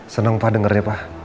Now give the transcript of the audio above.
seneng pak dengarnya pak